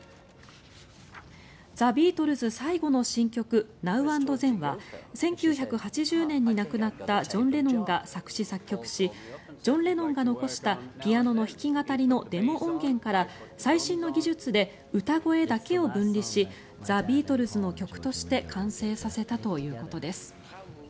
ザ・ビートルズ最後の新曲「ナウ・アンド・ゼン」は１９８０年に亡くなったジョン・レノンが作詞作曲しジョン・レノンが残したピアノの弾き語りのデモ音源から最新の技術で歌声だけを分離しザ・ビートルズの曲として完成させたということです。